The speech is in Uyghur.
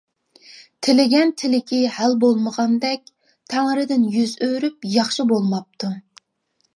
تىلىگەن تىلىكى ھەل بولمىغاندەك، تەڭرىدىن يۈز ئۆرۈپ باخشى بولماپتۇ.